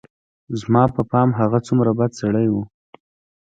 زما په پام هغه څومره بد سړى و.